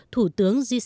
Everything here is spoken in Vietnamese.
thủ tướng j c